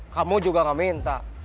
kamu juga nggak minta